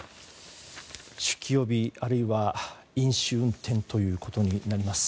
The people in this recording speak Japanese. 酒気帯び、あるいは飲酒運転ということになります。